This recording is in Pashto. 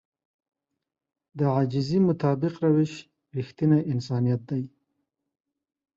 د عاجزي مطابق روش رښتينی انسانيت دی.